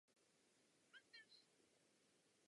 Zbarvení je celkově nenápadné.